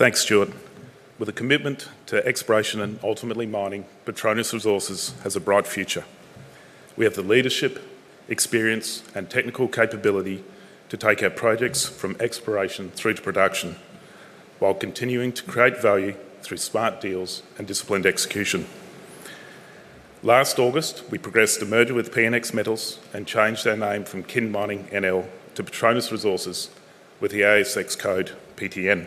Thanks, Jordan. With a commitment to exploration and ultimately mining, Patronus Resources has a bright future. We have the leadership, experience, and technical capability to take our projects from exploration through to production, while continuing to create value through smart deals and disciplined execution. Last August, we progressed the merger with PNX Metals and changed our name from KIN Mining NL to Patronus Resources with the ASX code PTN.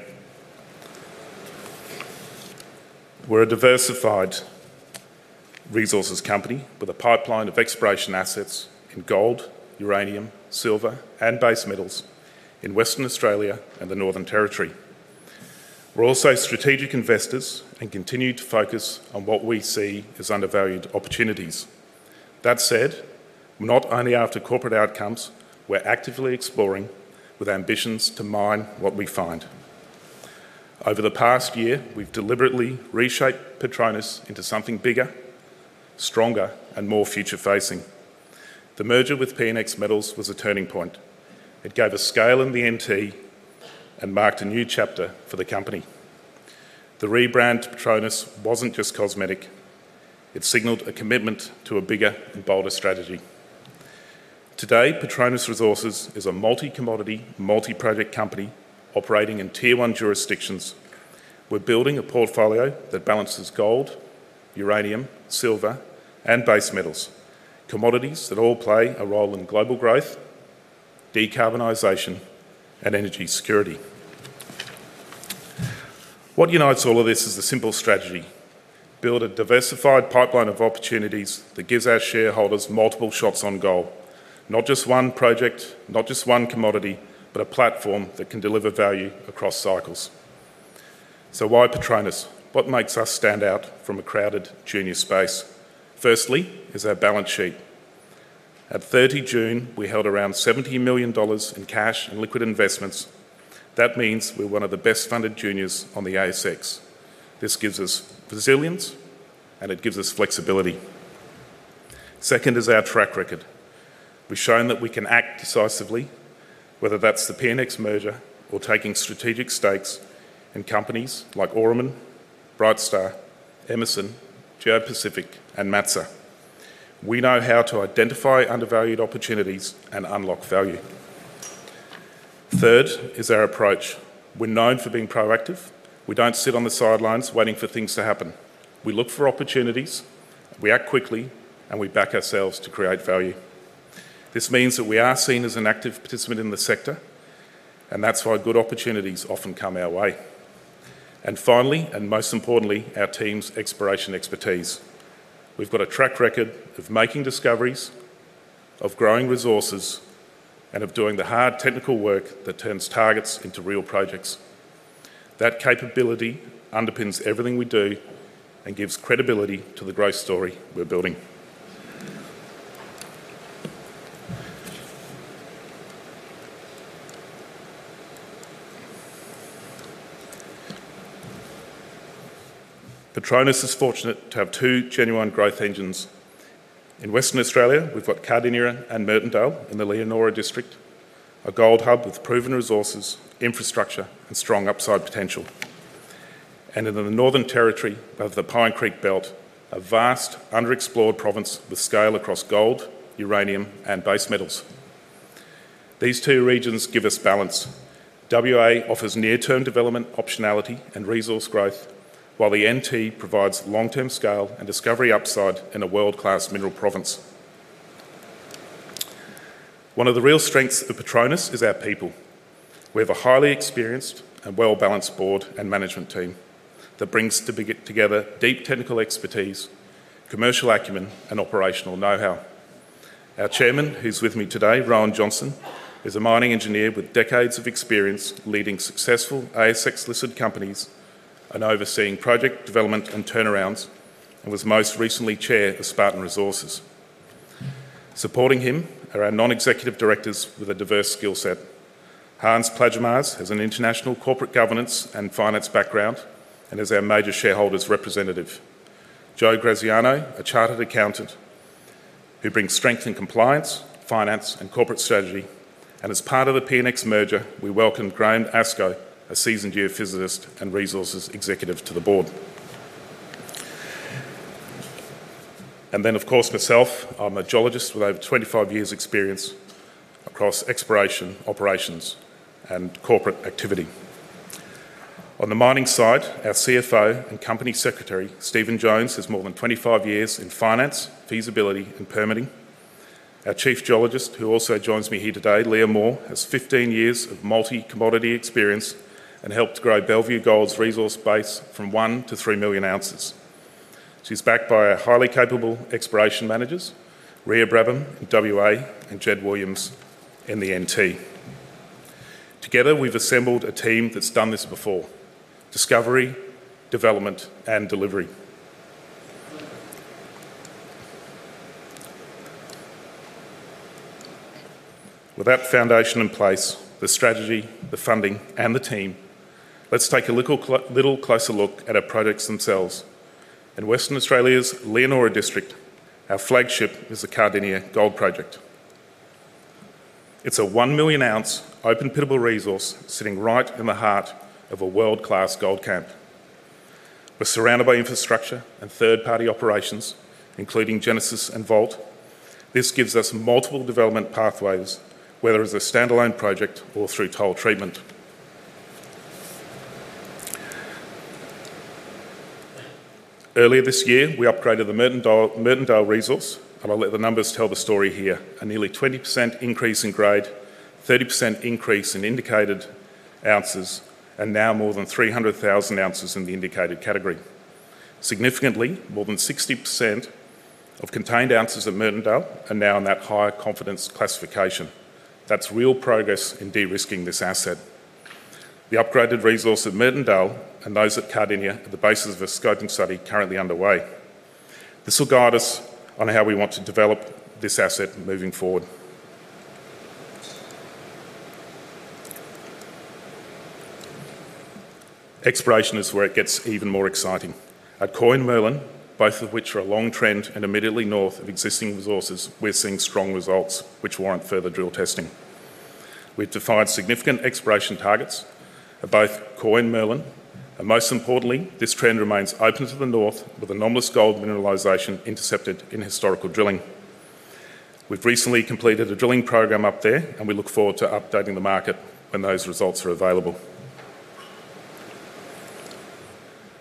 We're a diversified resources company with a pipeline of exploration assets in gold, uranium, silver, and base metals in Western Australia and the Northern Territory. We're also strategic investors and continue to focus on what we see as undervalued opportunities. That said, we're not only after corporate outcomes; we're actively exploring with ambitions to mine what we find. Over the past year, we've deliberately reshaped Patronus into something bigger, stronger, and more future-facing. The merger with PNX Metals was a turning point. It gave us scale in the NT and marked a new chapter for the company. The rebrand to Patronus wasn't just cosmetic. It signaled a commitment to a bigger and bolder strategy. Today, Patronus Resources is a multi-commodity, multi-project company operating in Tier 1 jurisdictions. We're building a portfolio that balances gold, uranium, silver, and base metals, commodities that all play a role in global growth, decarbonization, and energy security. What unites all of this is the simple strategy: build a diversified pipeline of opportunities that gives our shareholders multiple shots on gold, not just one project, not just one commodity, but a platform that can deliver value across cycles. Why Patronus? What makes us stand out from a crowded junior space? Firstly, is our balance sheet. At 30 June, we held around $70 million in cash and liquid investments. That means we're one of the best-funded juniors on the ASX. This gives us resilience, and it gives us flexibility. Second is our track record. We've shown that we can act decisively, whether that's the PNX merger or taking strategic stakes in companies like Ormonde, Brightstar, Emmerson, Geopacific, and Matsa. We know how to identify undervalued opportunities and unlock value. Third is our approach. We're known for being proactive. We don't sit on the sidelines waiting for things to happen. We look for opportunities, react quickly, and we back ourselves to create value. This means that we are seen as an active participant in the sector, and that's why good opportunities often come our way. Finally, and most importantly, our team's exploration expertise. We've got a track record of making discoveries, of growing resources, and of doing the hard technical work that turns targets into real projects. That capability underpins everything we do and gives credibility to the growth story we're building. Patronus is fortunate to have two genuine growth engines. In Western Australia, we've got Cardinia and Mertondale in the Leonora district, a gold hub with proven resources, infrastructure, and strong upside potential. In the Northern Territory of the Pine Creek Belt, a vast, underexplored province with scale across gold, uranium, and base metals. These two regions give us balance. WA offers near-term development optionality and resource growth, while the NT provides long-term scale and discovery upside in a world-class mineral province. One of the real strengths of Patronus is our people. We have a highly experienced and well-balanced Board and management team that brings together deep technical expertise, commercial acumen, and operational know-how. Our Chairman, who's with me today, Rowan Johnston, is a mining engineer with decades of experience leading successful ASX-listed companies and overseeing project development and turnarounds, and was most recently Chair for Spartan Resources. Supporting him are our Non-Executive Directors with a diverse skill set. Hans Plaggemars has an international corporate governance and finance background and is our major shareholders' representative. Joe Graziano, a Chartered Accountant, who brings strength in compliance, finance, and corporate strategy. As part of the PNX merger, we welcomed Graham Ascough, a seasoned geophysicist and resources executive to the Board. Then, of course, myself. I'm a geologist with over 25 years' experience across exploration, operations, and corporate activity. On the mining side, our CFO and Company Secretary, Stephen Jones, has more than 25 years in finance, feasibility, and permitting. Our Chief Geologist, who also joins me here today, Leah Moore, has 15 years of multi-commodity experience and helped grow Bellevue Gold's resource base from 1 million oz to 3 million oz. She's backed by our highly capable Exploration Managers, Rhea Brabham, WA, and Jed Williams in the NT. Together, we've assembled a team that's done this before: discovery, development, and delivery. With that foundation in place, the strategy, the funding, and the team, let's take a little closer look at our projects themselves. In Western Australia's Leonora district, our flagship is the Cardinia Gold Project. It's a 1 million ounce open-pittable resource sitting right in the heart of a world-class gold camp. We're surrounded by infrastructure and third-party operations, including Genesis and Vault. This gives us multiple development pathways, whether as a standalone project or through toll treatment. Earlier this year, we upgraded the Mertondale resource, and I'll let the numbers tell the story here: a nearly 20% increase in grade, a 30% increase in indicated ounces, and now more than 300,000 oz in the indicated category. Significantly, more than 60% of contained ounces at Mertondale are now in that high confidence classification. That's real progress in de-risking this asset. The upgraded resource at Mertondale and those at Cardinia are the basis of a scoping study currently underway. This will guide us on how we want to develop this asset moving forward. Exploration is where it gets even more exciting. At Koi and Merlin, both of which are along trend and immediately north of existing resources, we're seeing strong results, which warrant further drill testing. We've defined significant exploration targets at both Koi and Merlin, and most importantly, this trend remains open to the north with anomalous gold mineralization intercepted in historical drilling. We've recently completed a drilling program up there, and we look forward to updating the market when those results are available.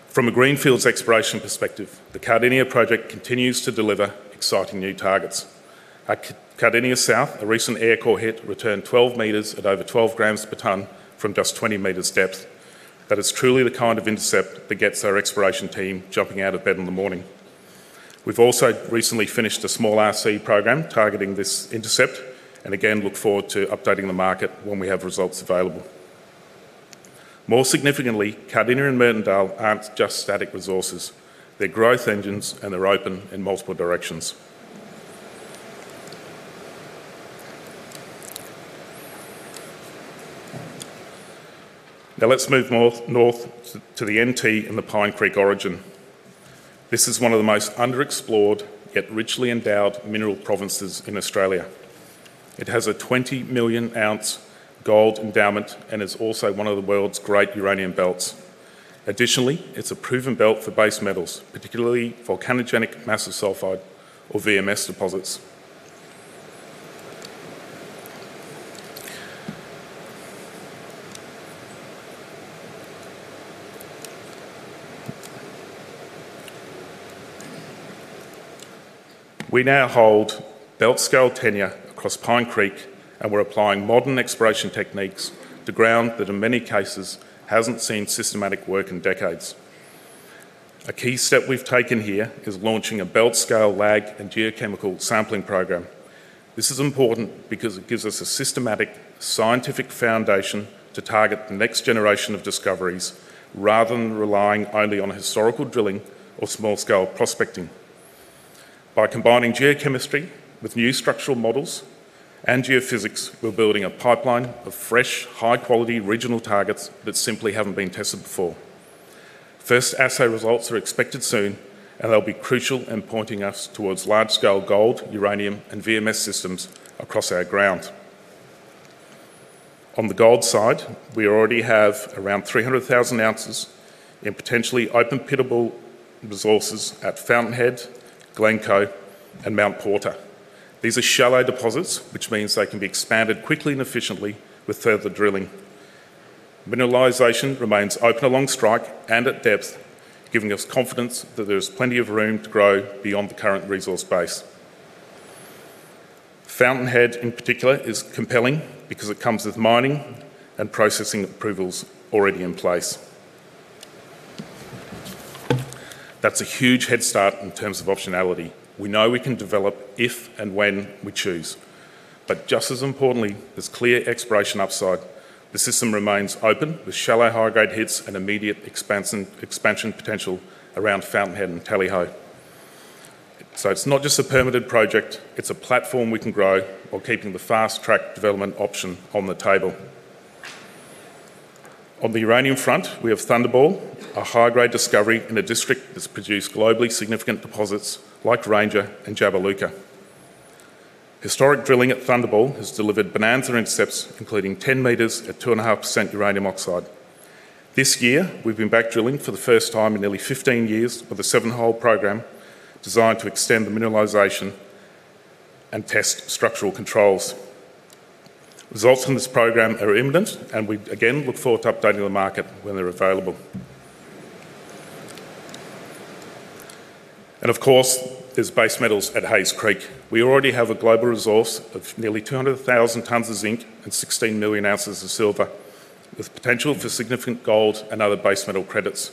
From a greenfields exploration perspective, the Cardinia project continues to deliver exciting new targets. At Cardinia South, a recent air core hit returned 12 m at over 12 g per tonne from just 20 m depth. That is truly the kind of intercept that gets our exploration team jumping out of bed in the morning. We've also recently finished a small RC program targeting this intercept, and again, look forward to updating the market when we have results available. More significantly, Cardinia and Mertondale aren't just static resources. They're growth engines, and they're open in multiple directions. Now let's move north to the NT and the Pine Creek Origin. This is one of the most underexplored yet richly endowed mineral provinces in Australia. It has a 20 million ounce gold endowment and is also one of the world's great uranium belts. Additionally, it's a proven belt for base metals, particularly volcanogenic massive sulfide or VMS deposits. We now hold belt-scale tenure across Pine Creek, and we're applying modern exploration techniques to ground that in many cases hasn't seen systematic work in decades. A key step we've taken here is launching a belt-scale lag and geochemical sampling program. This is important because it gives us a systematic, scientific foundation to target the next generation of discoveries rather than relying only on historical drilling or small-scale prospecting. By combining geochemistry with new structural models and geophysics, we're building a pipeline of fresh, high-quality regional targets that simply haven't been tested before. First assay results are expected soon, and they'll be crucial in pointing us towards large-scale gold, uranium, and VMS systems across our grounds. On the gold side, we already have around 300,000 oz in potentially open-pittable resources at Fountain Head, Glencoe, and Mount Porter. These are shallow deposits, which means they can be expanded quickly and efficiently with further drilling. Mineralization remains open along strike and at depth, giving us confidence that there is plenty of room to grow beyond the current resource base. Fountain Head in particular is compelling because it comes with mining and processing approvals already in place. That's a huge head start in terms of optionality. We know we can develop if and when we choose. Just as importantly, there's clear exploration upside. The system remains open with shallow high-grade hits and immediate expansion potential around Fountainhead and Tallyhoe. It's not just a permitted project. It's a platform we can grow while keeping the fast-track development option on the table. On the uranium front, we have Thunderball, a high-grade discovery in a district that's produced globally significant deposits like Ranger and Jabiluka. Historic drilling at Thunderball has delivered bonanza intercepts, including 10 m at 2.5% uranium oxide. This year, we've been back drilling for the first time in nearly 15 years with a seven-hole program designed to extend the mineralization and test structural controls. Results from this program are imminent, and we again look forward to updating the market when they're available. Of course, there's base metals at Hayes Creek. We already have a global resource of nearly 200,000 tonnes of zinc and 16 million ounces of silver, with potential for significant gold and other base metal credits,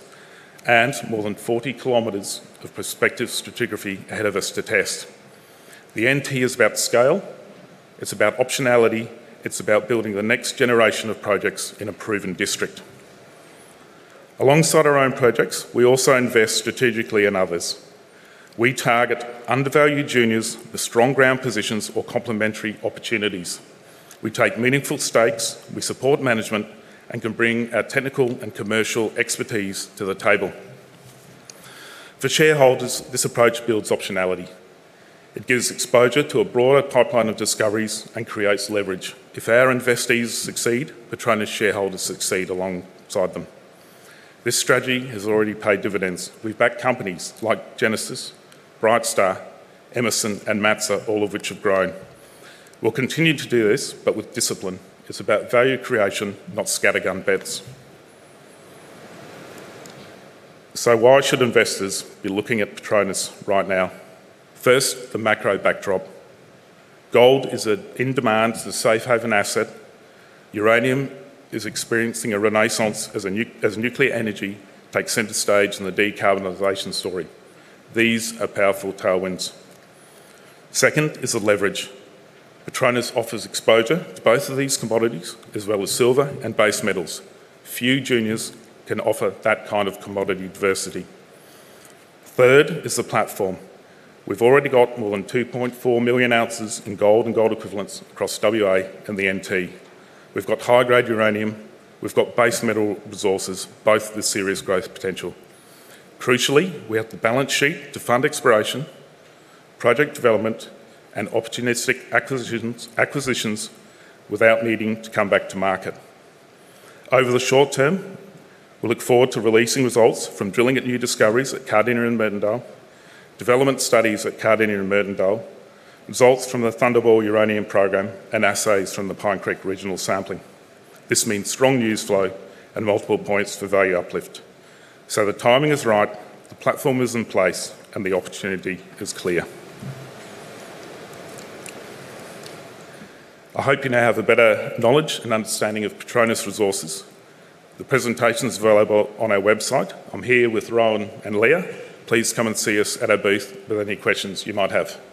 and more than 40 km of prospective stratigraphy ahead of us to test. The NT is about scale. It's about optionality. It's about building the next generation of projects in a proven district. Alongside our own projects, we also invest strategically in others. We target undervalued juniors, the strong ground positions, or complementary opportunities. We take meaningful stakes, we support management, and can bring our technical and commercial expertise to the table. For shareholders, this approach builds optionality. It gives exposure to a broader pipeline of discoveries and creates leverage. If our investees succeed, Patronus shareholders succeed alongside them. This strategy has already paid dividends. We've backed companies like Genesis, Brightstar, Emmerson, and Matsa, all of which have grown. We'll continue to do this, but with discipline. It's about value creation, not scattergun bets. Why should investors be looking at Patronus right now? First, the macro backdrop. Gold is in demand as a safe haven asset. Uranium is experiencing a renaissance as nuclear energy takes center stage in the decarbonization story. These are powerful tailwinds. Second is the leverage. Patronus offers exposure to both of these commodities, as well as silver and base metals. Few juniors can offer that kind of commodity diversity. Third is the platform. We've already got more than 2.4 million ounces in gold and gold equivalents across WA and the NT. We've got high-grade uranium. We've got base metal resources, both with serious growth potential. Crucially, we have the balance sheet to fund exploration, project development, and opportunistic acquisitions without needing to come back to market. Over the short term, we look forward to releasing results from drilling at new discoveries at Cardinia and Mertondale, development studies at Cardinia and Mertondale, results from the Thunderball Uranium Programme, and assays from the Pine Creek regional sampling. This means strong news flow and multiple points for value uplift. The timing is right, the platform is in place, and the opportunity is clear. I hope you now have a better knowledge and understanding of Patronus Resources. The presentation is available on our website. I'm here with Rowan and Leah. Please come and see us at our booth with any questions you might have. Thanks.